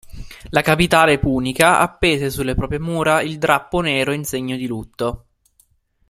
La capitale punica appese sulle proprie mura il drappo nero in segno di lutto.